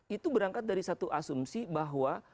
itu berangkat dari satu asumsi bahwa